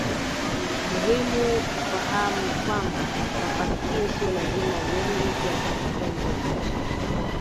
Muhimu kufahamu ni kwamba mafanikio sio lazima uende kuyatafuta nje ya nchi